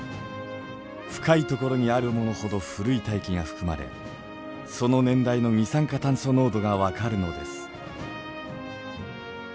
深いところにあるものほど古い大気が含まれその年代の二酸化炭素濃度が分かるのです。